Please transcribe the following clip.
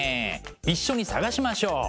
一緒に探しましょう！